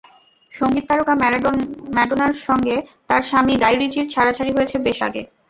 সংগীত তারকা ম্যাডোনার সঙ্গে তাঁর স্বামী গাই রিচির ছাড়াছাড়ি হয়েছে বেশ আগে।